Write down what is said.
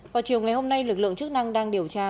vào chiều ngày hôm nay lực lượng chức năng đang điều tra